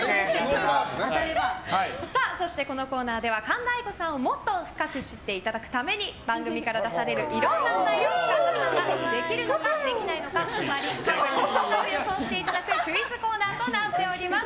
このコーナーでは神田愛花さんをもっと深く知っていただくために番組から出されるいろんなお題を神田さんができるのか、できないのかつまり、可か不可を予想していただくクイズコーナーとなっております。